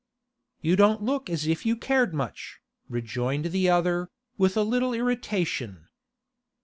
'You don't look as if you cared much,' rejoined the other, with a little irritation.